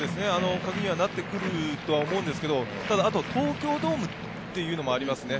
カギにはなってくると思うんですけど、東京ドームっていうのもありますね。